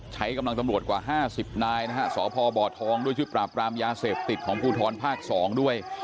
ใช้กำลังตำรวจกว่า๕๐นายนะฮะสพบทองด้วยชุดปราบรามยาเสพติดของภูทรภาค๒ด้วย